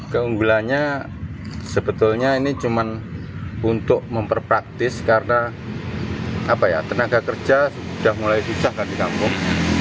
keunggulannya sebetulnya ini cuma untuk memperpraktis karena tenaga kerja sudah mulai susah kan di kampung